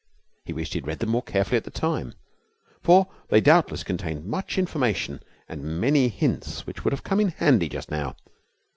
He wished he had read them more carefully at the time, for they doubtless contained much information and many hints which would have come in handy just now.